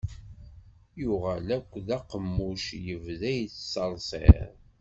Yuɣal akk d aqemmuc yebda yettṣeṛṣiṛ.